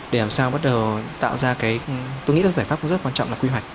để làm sao bắt đầu tạo ra cái tôi nghĩ giải pháp rất quan trọng là quy hoạch